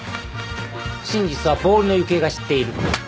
真実はボールの行方が知っている。